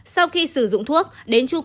sau khi sử dụng thuốc đến chung cung